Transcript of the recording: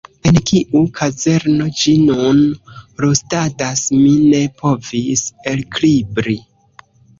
En kiu kazerno ĝi nun rustadas, mi ne povis elkribri.